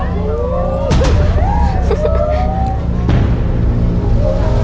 ถูก